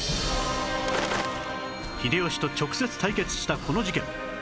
秀吉と直接対決したこの事件